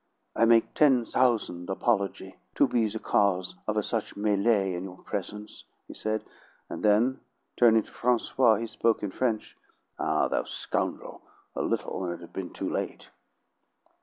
"I make ten thousan' apology to be' the cause of a such melee in your presence," he said; and then, turning to Francois, he spoke in French: "Ah, thou scoundrel! A little, and it had been too late."